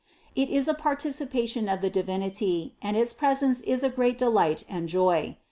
It is a participation of the Divinity and its presence is a great delight and joy.